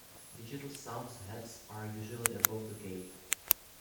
Digital sound heads are usually above the gate.